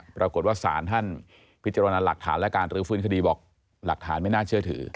ปรากฏว่าศาลท่านพิจารณาหลักฐานและการรื้อฟื้นคดีบอกหลักฐานไม่น่าเชื่อถือ